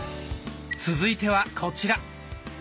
続いてはこちら。